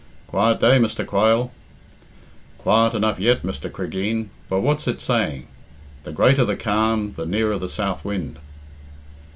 "Quiet day, Mr. Quayle." "Quiet enough yet, Mr. Cregeen; but what's it saying? 'The greater the calm the nearer the south wind.'"